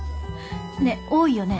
ねぇ多いよね？